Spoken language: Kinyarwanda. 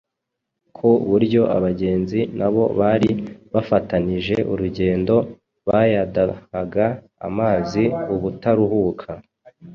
ku buryo abagenzi n’abo bari bafatanije urugendo bayadahaga amazi ubutaruhuka